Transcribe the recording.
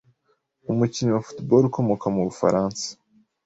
umukinnyi wa football ukomoka mu Bufaransa